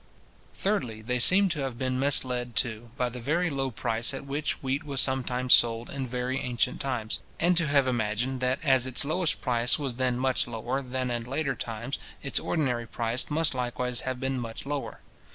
Thirdly, they seem to have been misled too, by the very low price at which wheat was sometimes sold in very ancient times; and to have imagined, that as its lowest price was then much lower than in later times its ordinary price must likewise have been much lower.